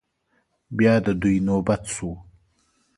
بيا د دوی نوبت شو.